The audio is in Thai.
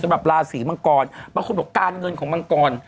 สำหรับราศีมังกรบางคนบอกว่าการเงินของมังกร